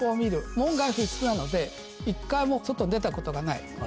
門外不出なので１回も外に出たことがない。